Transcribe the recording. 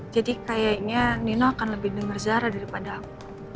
jadi kayaknya nino akan lebih denger zara daripada aku